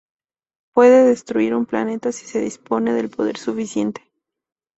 Puede destruir un planeta si se dispone del poder suficiente.